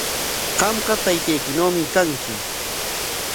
Qamqa taytaykinawmi kanki.